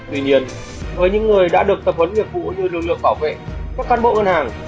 tuy nhiên với những người đã được tập huấn nghiệp vụ như lực lượng bảo vệ các cán bộ ngân hàng